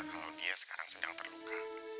kalau dia sekarang sedang terluka